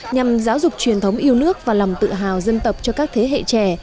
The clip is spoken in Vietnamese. nhằm giáo dục truyền thống yêu nước và lòng tự hào dân tộc cho các thế hệ trẻ